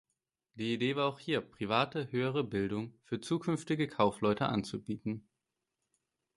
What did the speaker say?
Die Idee war auch hier private höhere Bildung für zukünftige Kaufleute anzubieten.